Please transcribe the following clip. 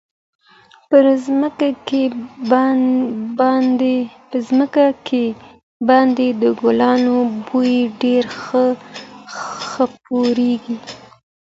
پر مځکي باندي د ګلانو بوی ډېر ښه خپرېږي.